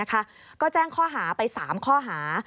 ก็แจ้งข้อหาไป๓ข้อหา